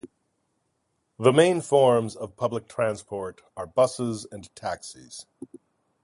The main forms of public transport are buses and taxis.